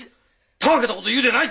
たわけたことを言うでない！